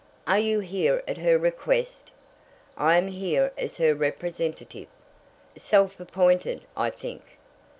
"Are you here at her request?" "I am here as her representative." "Self appointed, I think."